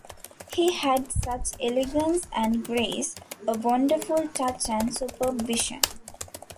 He had such elegance and grace, a wonderful touch and superb vision.